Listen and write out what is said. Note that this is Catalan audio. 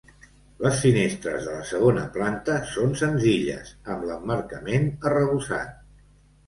Les finestres de la segona planta són senzilles, amb l'emmarcament arrebossat.